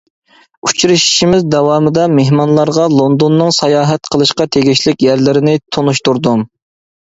ئۇچرىشىشىمىز داۋامىدا مېھمانلارغا لوندوننىڭ ساياھەت قىلىشقا تېگىشلىك يەرلىرىنى تونۇشتۇردۇم.